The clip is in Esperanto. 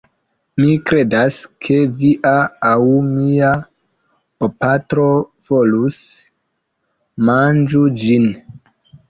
Mi kredas, ke via... aŭ mia bopatro volus manĝi ĝin.